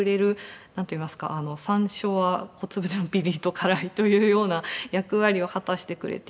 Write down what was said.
何といいますかあの山椒は小粒でもピリリと辛いというような役割を果たしてくれていて。